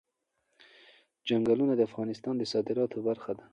چنګلونه د افغانستان د صادراتو برخه ده.